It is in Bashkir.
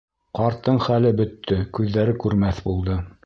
Ҡарттың хәле бөттө, күҙҙәре күрмәҫ булды.